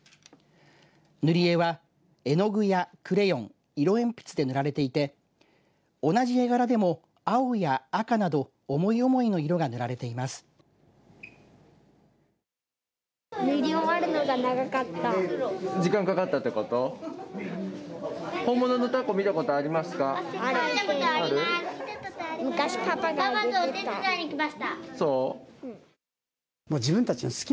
塗り絵は絵の具やクレヨン色鉛筆で塗られていて同じ絵柄でも青や赤など思い思いの色が塗られています。